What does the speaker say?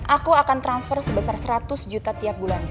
aku akan transfer sebesar seratus juta tiap bulan